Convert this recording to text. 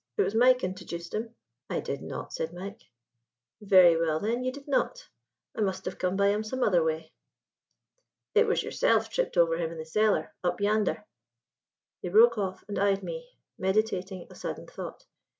It was Mike intojuced him." "I did not," said Mike. "Very well, then, ye did not. I must have come by him some other way." "It was yourself tripped over him in the cellar, up yandhar." He broke off and eyed me, meditating a sudden thought.